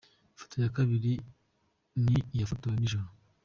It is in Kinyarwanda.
Ifoto ya kabiri ni iyafotowe nijoro.